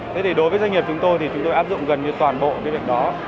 thế thì đối với doanh nghiệp chúng tôi thì chúng tôi áp dụng gần như toàn bộ cái việc đó